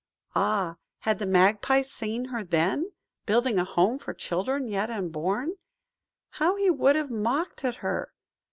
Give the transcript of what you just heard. Ah! had the Magpie seen her then, building a home for children yet unborn, how he would have mocked at her!